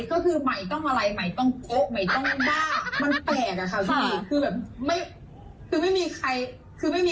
ก็คือไม่ได้เลยยัดสวย